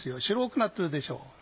白くなってるでしょ？